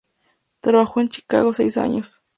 Trabajó en Chicago seis años.